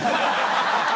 ハハハハ！